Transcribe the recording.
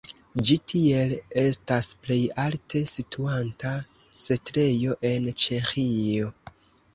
Ĝi tiel estas plej alte situanta setlejo en Ĉeĥio.